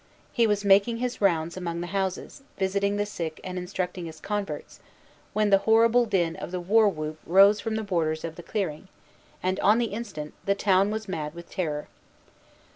He was making his rounds among the houses, visiting the sick and instructing his converts, when the horrible din of the war whoop rose from the borders of the clearing, and, on the instant, the town was mad with terror.